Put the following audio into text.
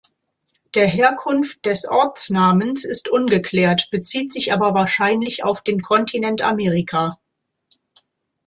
Der Herkunft des Ortsnamens ist ungeklärt, bezieht sich aber wahrscheinlich auf den Kontinent Amerika.